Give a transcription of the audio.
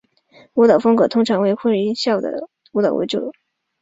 舞蹈风格通常以让人会心一笑的舞蹈动作为主。